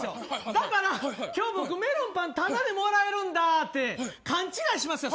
だから今日僕メロンパンただでもらえるんだって勘違いしますよ